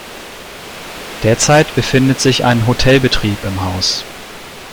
Derzeit befindet sich ein Hotelbetrieb im Haus.